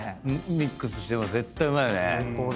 ミックスしても絶対うまいよね。